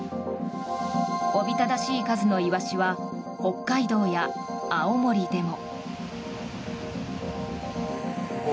おびただしい数のイワシは北海道や青森でも。